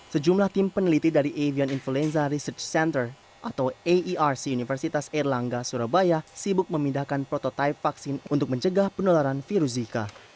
sejumlah tim peneliti dari avion influenza research center atau arc universitas erlangga surabaya sibuk memindahkan prototipe vaksin untuk mencegah penularan virus zika